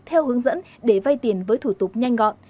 theo hướng dẫn để vay tiền với thủ tục nhanh gọn